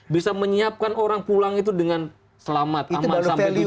bisa menyiapkan orang pulang itu dengan selamat aman sambil dijuang